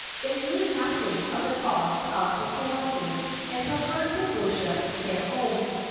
They knew nothing of the gods of the Kauaians, and preferred to worship their own.